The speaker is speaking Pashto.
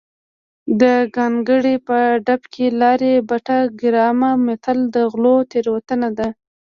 د ګانګړې په ډب کې لاړې بټه ګرامه متل د غلو تېروتنه ده